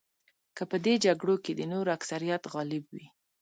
که په دې جګړو کې د نورو اکثریت غالب وي.